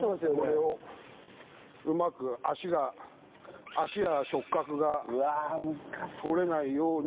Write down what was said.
これをうまく脚や触覚が取れないように。